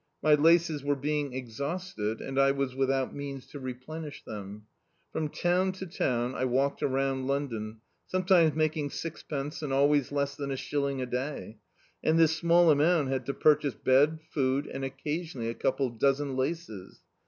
My laces were being exhausted, and I was without means to replenish them. Fnmi town to town I walked around London, sometimes making sixpence, and alwa}^ less than a shilling a day; and this small amount had to purchase bed, food, and occasionally a rauple of dozen laces.